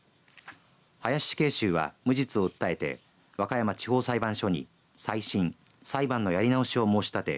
林死刑囚は無実を訴えて和歌山地方裁判所に再審、裁判のやり直しを申し立て